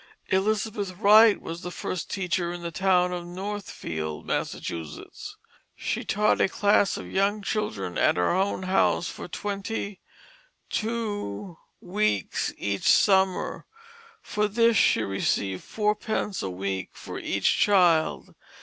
Elizabeth Wright was the first teacher in the town of Northfield, Massachusetts. She taught a class of young children at her own house for twenty two weeks each summer; for this she received fourpence a week for each child.